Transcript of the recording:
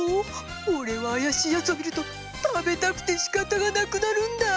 俺は怪しいヤツを見ると食べたくてしかたがなくなるんだ。